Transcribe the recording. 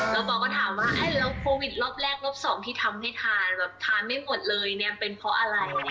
แล้วปอก็ถามว่าแล้วโควิดรอบแรกรอบสองที่ทำให้ทานแบบทานไม่หมดเลยเนี่ยเป็นเพราะอะไร